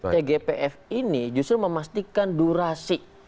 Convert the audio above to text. tgpf ini justru memastikan durasi